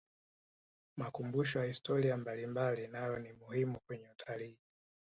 makumbusho ya historia mbalimbali nayo ni muhimu kwenye utalii